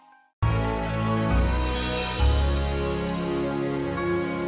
aku harus telepon uya kiki atau siapa saja yang bisa cek surat itu